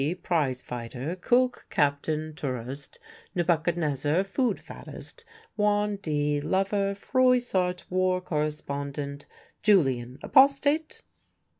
prize fighter; Cook, Captain, tourist; Nebuchadnezzar, food faddist; Juan, D., lover; Froissart, war correspondent; Julian, apostate?"